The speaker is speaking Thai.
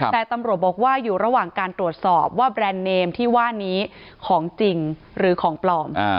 แต่ตำรวจบอกว่าอยู่ระหว่างการตรวจสอบว่าแบรนด์เนมที่ว่านี้ของจริงหรือของปลอม